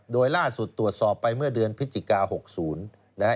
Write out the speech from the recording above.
โดยล่าสุดตรวจสอบไปเมื่อเดือนพฤศจิกา๖๐นะฮะ